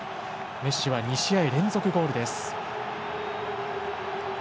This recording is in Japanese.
メッシは２試合連続ゴールです。